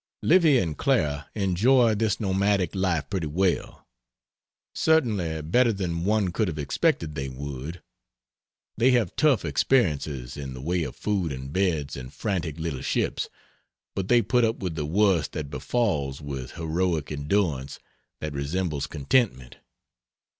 Livy and Clara enjoy this nomadic life pretty well; certainly better than one could have expected they would. They have tough experiences, in the way of food and beds and frantic little ships, but they put up with the worst that befalls with heroic endurance that resembles contentment.